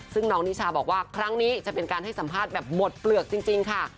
ซึ่งน้องนิชาบอกว่าครั้งนี้จะเป็นการให้สัมภาษณ์แบบหมดเปลือกจริงค่ะ